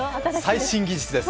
最新技術です。